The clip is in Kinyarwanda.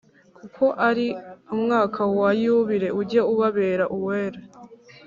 Kuko ari umwaka wa yubile ujye ubabera uwera